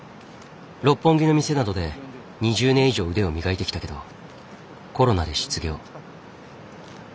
六本木の店などで２０年以上腕を磨いてきたけどコロナで失業。